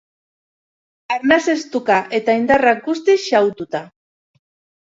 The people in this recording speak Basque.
Arnasestuka eta indarrak guztiz xahututa.